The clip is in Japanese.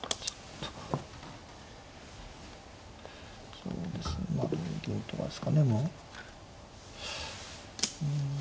そうですねまあ同銀とかですかね。